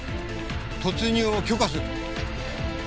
突入を許可する。